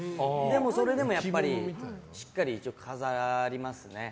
それでもしっかり飾りますね。